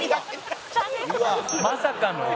まさかの。